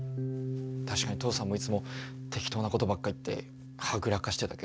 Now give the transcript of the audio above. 確かに父さんもいつも適当なことばっか言ってはぐらかしてたけど。